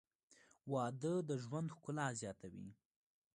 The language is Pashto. • واده د ژوند ښکلا زیاتوي.